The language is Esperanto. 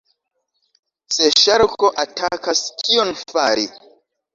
Se ŝarko atakas, kion fari?